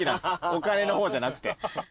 お金の方じゃなくて。